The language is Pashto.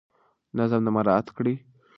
نظم مراعات کړئ.